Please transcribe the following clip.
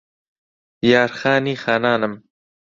یار خانی خانانم